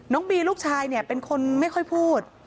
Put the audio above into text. น้องบีลูกชายเป็นคนไม่ค่อยพูด